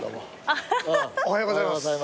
おはようございます。